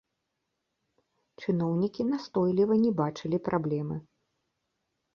Чыноўнікі настойліва не бачылі праблемы.